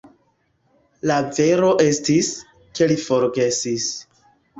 La vero estis, ke li forgesis.